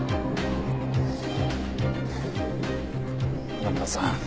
花村さん